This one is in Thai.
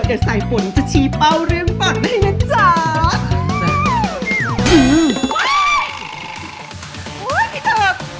อุ้ยพี่เจิบ